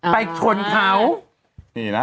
ไปชนเขา